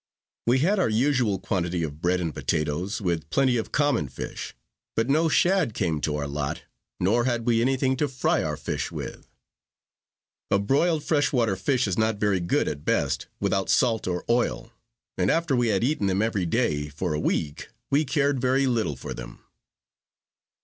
We had our usual quantity of bread and potatoes, with plenty of common fish; but no shad came to our lot, nor had we anything to fry our fish with. A broiled fresh water fish is not very good at best, without salt or oil; and after we had eaten them every day, for a week, we cared very little for them.